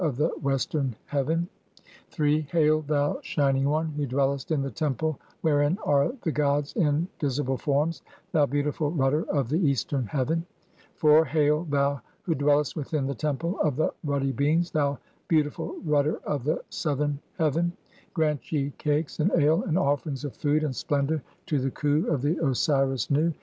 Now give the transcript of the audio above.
263 (3) "Hail, thou shining one, who dwellest in the Temple "wherein are the gods in visible forms, thou beautiful rudder "of the eastern heaven ; (4) "Hail, thou who dwellest within the Temple of the ruddy "beings, thou beautiful rudder of the southern heaven ; "grant ye cakes, and ale, and offerings of food, and splendour "to the Khu of the Osiris Nu.